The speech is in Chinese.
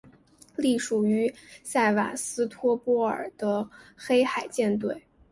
隶属于塞瓦斯托波尔的黑海舰队。